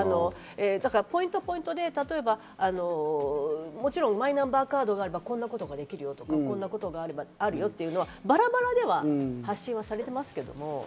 ポイント、ポイントでマイナンバーカードがこんなことができるよとか、こんなことがあるよというのはバラバラでは発信はされてますけど。